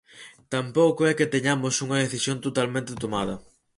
Tampouco é que teñamos unha decisión totalmente tomada.